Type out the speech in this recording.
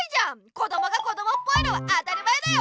こどもがこどもっぽいのは当たり前だよ！